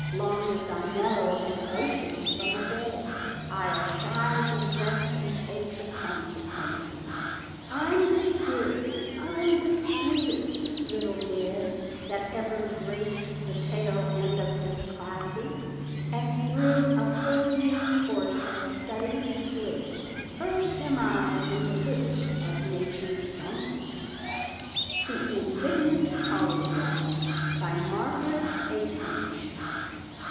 Long as I know an ocean from a bay, I'll shy the rest, and take the consequences. I'm the dearest, I'm the sweetest little mid That ever graced the tail end of his classes, And through a four years' course of study slid, First am I in the list of Nature's donkeys! Scribner's Magazine Bric à Brac, 1881. INDIGNANT POLLY WOG. BY MARGARET EYTINGE.